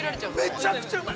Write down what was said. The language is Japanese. ◆めちゃくちゃうまい。